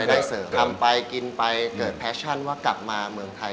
ได้เสริมทำไปกินไปเกิดแฟชั่นว่ากลับมาเมืองไทย